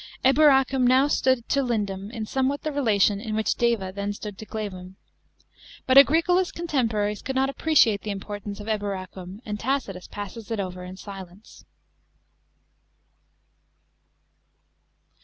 Eburacum now stood to Lindum in somewhat the relation in which Deva then stood to Glevum. But Agricola's contem poraries could not appreciate the importance of Eburacum, and Tacitus passes it over in silence.